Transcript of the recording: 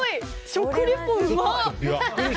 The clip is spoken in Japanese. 食リポうま！